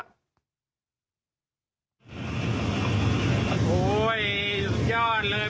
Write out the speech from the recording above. โอ้โหยยอดเลย